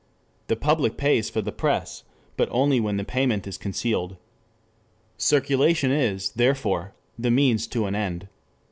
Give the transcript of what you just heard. The public pays for the press, but only when the payment is concealed. 3 Circulation is, therefore, the means to an end.